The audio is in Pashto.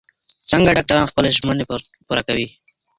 څنګه ډاکټران خپلي ژمني پوره کوي؟